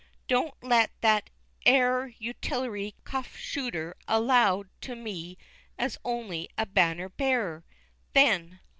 Don't let that 'ere utilerty cuff shooter allood to me as "only a banner bearer," then!